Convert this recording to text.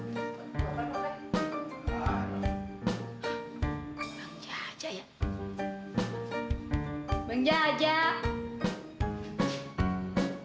bang jajak ya bang jajak